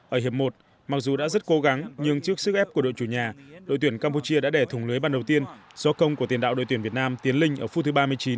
ở hiệp một mặc dù đã rất cố gắng nhưng trước sức ép của đội chủ nhà đội tuyển campuchia đã đẻ thùng lưới ban đầu tiên do công của tiền đạo đội tuyển việt nam tiến linh ở phút thứ ba mươi chín